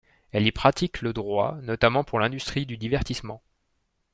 Elle y pratique le droit, notamment pour l'industrie du divertissement.